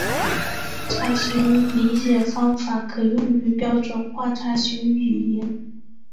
查询理解方法可用于标准化查询语言。